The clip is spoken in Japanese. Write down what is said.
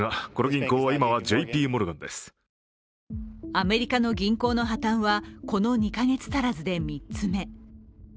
アメリカの銀行の破綻はこの２か月足らずで３つ目。